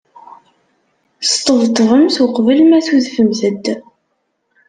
Sṭebṭbemt uqbel ma tudfemt-d.